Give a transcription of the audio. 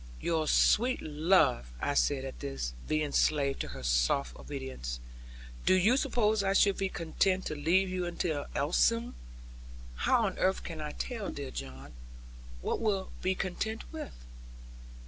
'You sweet love,' I said at this, being slave to her soft obedience; 'do you suppose I should be content to leave you until Elysium?' 'How on earth can I tell, dear John, what you will be content with?'